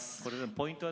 ポイントは？